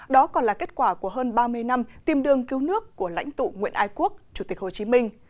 đó còn là kết quả của hơn ba mươi năm tìm đường cứu nước của lãnh tụ nguyễn ai quốc chủ tịch hồ chí minh